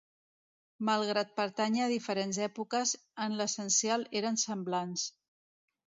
Malgrat pertànyer a diferents èpoques, en l’essencial eren semblants.